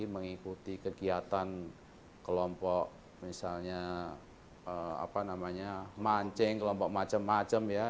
mengikuti kegiatan kelompok misalnya mancing kelompok macam itu